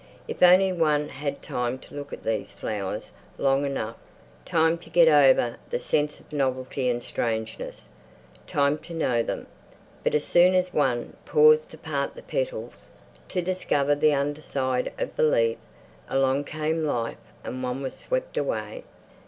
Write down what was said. If only one had time to look at these flowers long enough, time to get over the sense of novelty and strangeness, time to know them! But as soon as one paused to part the petals, to discover the under side of the leaf, along came Life and one was swept away.